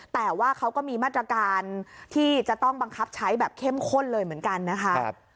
แต่ว่าเขาก็มีมาตรการที่จะต้องบังคับใช้แบบเข้มข้นเลยเหมือนกันนะคะ